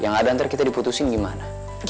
yang ada nanti kita diputusin gimana